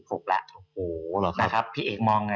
เพราะพี่เอกมอง